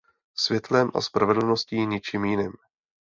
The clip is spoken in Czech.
Světlem a spravedlností, ničím jiným.